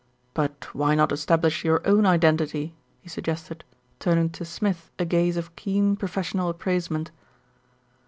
"But why not establish your own identity?" he suggested, turning to Smith a gaze of keen professional appraisement.